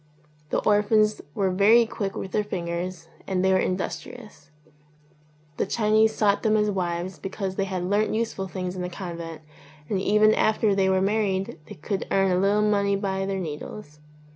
The orphans were very quick with their fingers and they were industrious ; the Chinese sought them as wives because they had learnt useful things in the convent, and even after they were married they could earn a little money by their needles.